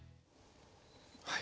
はい。